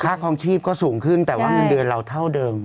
คลองชีพก็สูงขึ้นแต่ว่าเงินเดือนเราเท่าเดิม